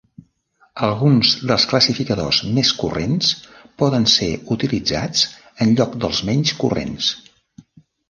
Alguns dels classificadors més corrents poden ser utilitzats en lloc dels menys corrents.